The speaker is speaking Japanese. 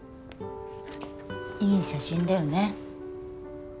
いい写真だよね。